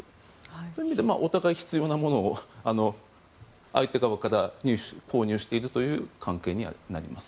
そういう意味でお互いに必要なものを相手側から入手、購入しているという関係になります。